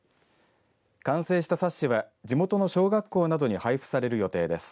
完成した冊子は地元の小学校などに配布される予定です。